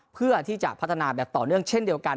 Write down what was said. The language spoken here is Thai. เพื่อที่จะพัฒนาแบบต่อเนื่องเช่นเดียวกัน